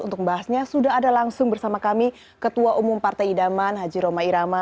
untuk membahasnya sudah ada langsung bersama kami ketua umum partai idaman haji roma irama